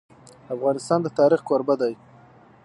افغانستان د تاریخ کوربه دی.